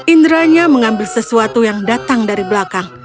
indranya mengambil sesuatu yang datang dari belakang